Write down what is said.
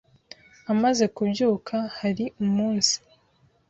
Amaze kubyuka hari umunsi.